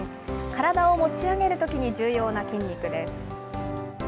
体を持ち上げるときに重要な筋肉です。